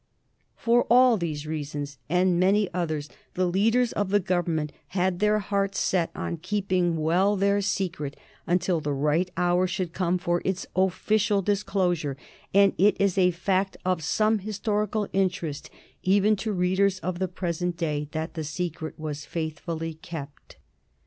For all these reasons, and many others, the leaders of the Government had their hearts set on keeping well their secret until the right hour should come for its official disclosure, and it is a fact of some historical interest, even to readers of the present day, that the secret was faithfully kept.